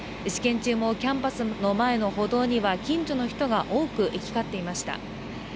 試験中もキャンパスの前の歩道には近所の人が多く行き交っていました。